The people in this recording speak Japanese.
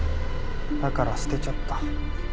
だから捨てちゃった。